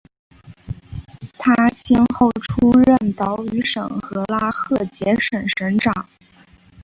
他先后出任岛屿省和拉赫杰省省长。